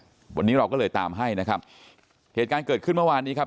วันนี้เราก็เลยตามให้นะครับเหตุการณ์เกิดขึ้นเมื่อวานนี้ครับ